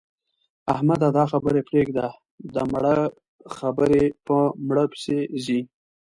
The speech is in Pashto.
احمده! دا خبرې پرېږده؛ د مړه خبرې په مړه پسې ځي.